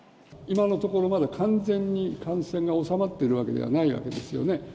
今のところ、まだ完全に感染が収まっているわけではないわけですよね。